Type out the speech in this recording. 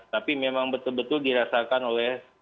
tapi memang betul betul dirasakan oleh